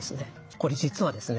これ実はですね